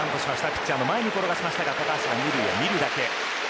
ピッチャーの前に転がしましたが高橋は２塁は見るだけ。